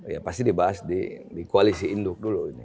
ya pasti dibahas di koalisi induk dulu